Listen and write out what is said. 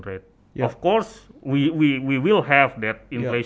tentu saja kita akan memiliki